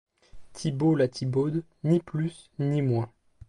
Thibaud la Thibaude, ni plus, ni moins!